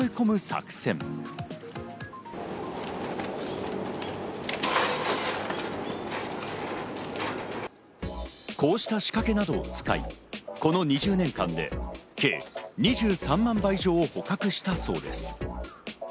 こうした仕掛けなどを使い、この２０年間で計２３万羽以上を捕獲したそうです。